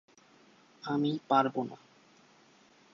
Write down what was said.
আমি পারব না।